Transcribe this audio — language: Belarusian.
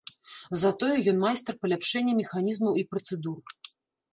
Затое ён майстар паляпшэння механізмаў і працэдур.